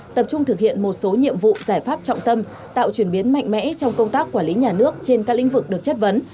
tập trung thực hiện một số nhiệm vụ giải pháp trọng tâm tạo chuyển biến mạnh mẽ trong công tác quản lý nhà nước trên các lĩnh vực được chất vấn